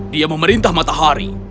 dia memerintah matahari